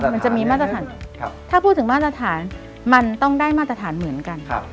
มันจะมีมาตรฐานถ้าพูดถึงมาตรฐานมันต้องได้มาตรฐานเหมือนกัน